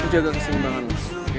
lo jaga kesimbangan lo oke